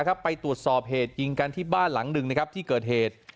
ไปตรวจสอบเหตุยิงกันที่บ้านหลังหนึ่งนะครับที่เกิดเหตุ